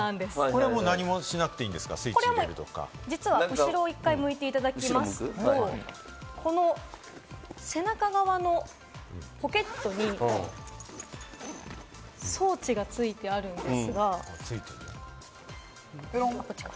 これは何もしなくていいんで後ろを向いていただきますと、この背中側のポケットに装置がついてあるんですが。